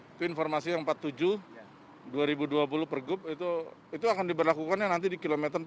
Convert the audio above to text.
itu informasi yang empat puluh tujuh dua ribu dua puluh pergub itu akan diberlakukannya nanti di kilometer tiga puluh